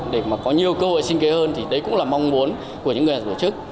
để có nhiều cơ hội sinh kế hơn thì đấy cũng là mong muốn của những người hà nội